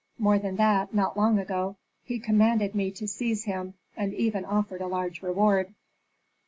More than that, not long ago, he commanded me to seize him, and even offered a large reward."